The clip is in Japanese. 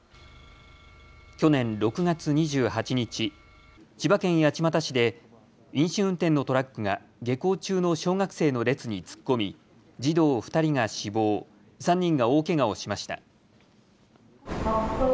去年６月２８日、千葉県八街市で飲酒運転のトラックが下校中の小学生の列に突っ込み児童２人が死亡、３人が大けがをしました。